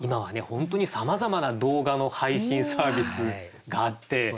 本当にさまざまな動画の配信サービスがあって。